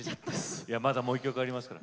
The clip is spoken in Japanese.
いやまだもう一曲ありますから。